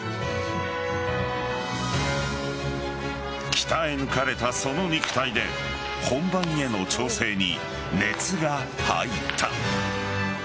鍛え抜かれたその肉体で本番への調整に熱が入った。